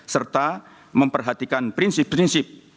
serta memperhatikan prinsip prinsip